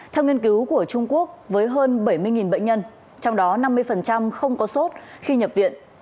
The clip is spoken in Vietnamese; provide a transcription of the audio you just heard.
theo nghiên cứu của trung quốc với hơn bảy mươi bệnh nhân trong đó năm mươi không có sốt khi nhập viện